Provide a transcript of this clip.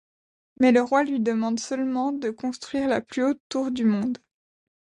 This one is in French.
Mais le roi lui demande seulement de construire la plus haute tour du monde.